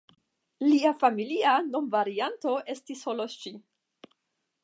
Lia familia nomvarianto estis "Holocsi".